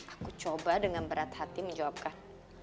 aku coba dengan berat hati menjawabkan